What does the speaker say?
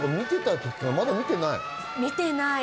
見てない。